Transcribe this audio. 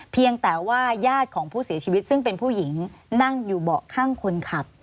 เพียงแต่ว่าญาติของผู้เสียชีวิตซึ่งเป็นผู้หญิงนั่งอยู่เบาะข้างคนขับ